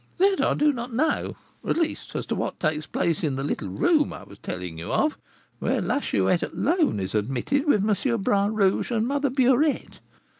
"That I do not know; at least, as to what takes place in the little room I was telling you of, where La Chouette alone is admitted with M. Bras Rouge and Mother Burette.